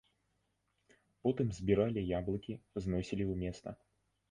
Потым збіралі яблыкі, зносілі ў места.